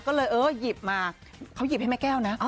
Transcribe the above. ก็เลยเออหยิบมาเขาหยิบให้แม่แก้วนะ